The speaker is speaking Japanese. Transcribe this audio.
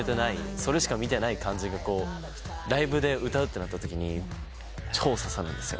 それしか見てない感じがライブで歌うってなったときに超刺さるんです。